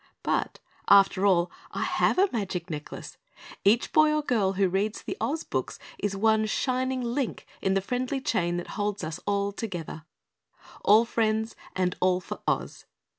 _ _But after all, I HAVE a magic necklace. Each boy or girl who reads the Oz books is one shining link in the friendly chain that holds us together. All friends and all for Oz.